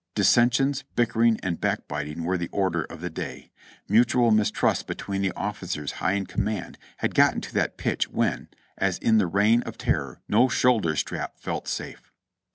Dissensions, bickering and backbiting were the order of the day. Mutual mistrust between the officers high in command had gotten to that pitch when, as in the reign of terror, no shoulder strap felt safe.